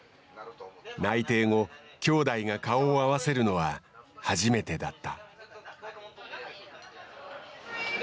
内定後兄弟が顔を合わせるのは初めてだった。